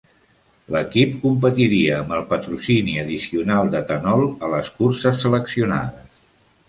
L'equip competiria amb el patrocini addicional d'Ethanol a les curses seleccionades.